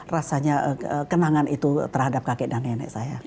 rasanya kenangan itu terhadap kakek dan nenek saya